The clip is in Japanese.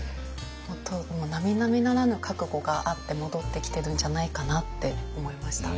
もうなみなみならぬ覚悟があって戻ってきてるんじゃないかなって思いました。